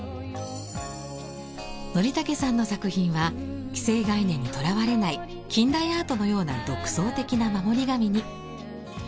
憲武さんの作品は既成概念にとらわれない近代アートのような独創的な守り神に。